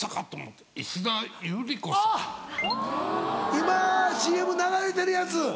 今ＣＭ流れてるやつ。